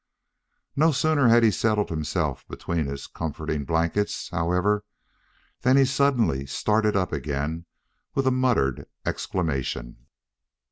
No sooner had he settled himself between his comforting blankets, however, than he suddenly started up again with a muttered exclamation.